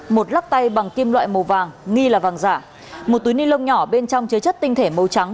một lắc tay bằng kim loại màu vàng nghi là vàng giả một túi ni lông nhỏ bên trong chứa chất tinh thể màu trắng